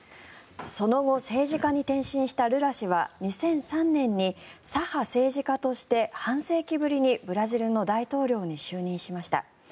その後政治家に転身したルラ氏は２００３年に左派政治家として半世紀ぶりにブラジルの大統領に就任しました。